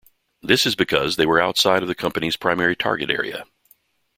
This is because they were outside of the company's primary target area.